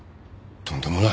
とんでもない。